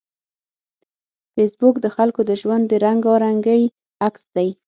فېسبوک د خلکو د ژوند د رنګارنګۍ عکس دی